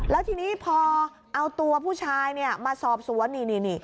แล้วทีนี้พอเอาตัวผู้ชายมาสอบสวนนี่